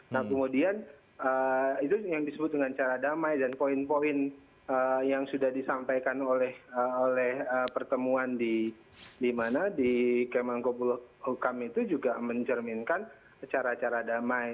nah kemudian itu yang disebut dengan cara damai dan poin poin yang sudah disampaikan oleh pertemuan di kemenkobulukam itu juga mencerminkan cara cara damai